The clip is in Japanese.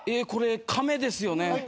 これ亀ですよね。